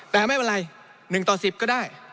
แต่ไม่เป็นไร๑ต่อ๑๐ก็ได้